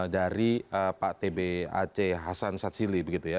dari pak tb ac hasan satsili begitu ya